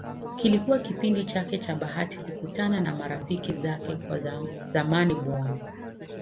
Kilikuwa kipindi chake cha bahati kukutana na marafiki zake wa zamani Bw.